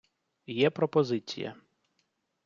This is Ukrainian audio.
Є пропозиція.